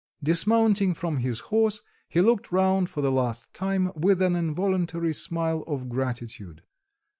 Dismounting from his horse, he looked round for the last time with an involuntary smile of gratitude.